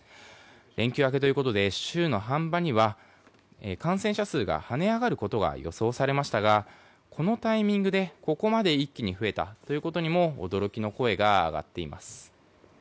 連休明けということで週の半ばには感染者数が跳ね上がることが予想されましたがこのタイミングでここまで一気に増えたということにも驚きの声が上がっています。